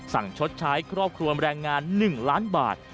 ชดใช้ครอบครัวแรงงาน๑ล้านบาท